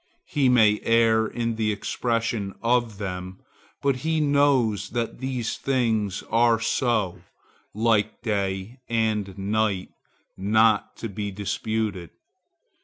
He may err in the expression of them, but he knows that these things are so, like day and night, not to be disputed.